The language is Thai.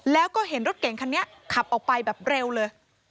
แล้วก็เห็นรถเก่งคันนี้ขับออกไปแบบเร็วเลย